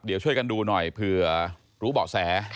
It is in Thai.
เดี๋ยวช่วยกันดูหน่อยเผื่อรู้เบาะแส